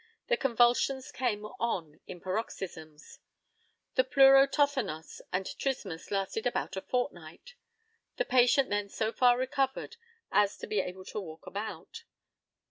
The convulsions came on in paroxysms. The pleuro tothonos and trismus lasted about a fortnight. The patient then so far recovered as to be able to walk about.